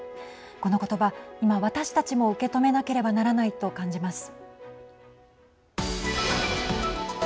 このことば、今、私たちも受け止めなければならないと感じます。